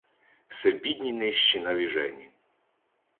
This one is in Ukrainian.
Се бідні нищі навіжені